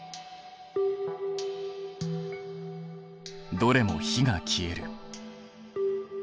どれも火が消える。